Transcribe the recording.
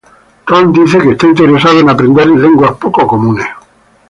Tom dice que está interesado en aprender lenguas poco comunes.